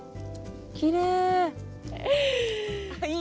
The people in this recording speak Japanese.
きれい！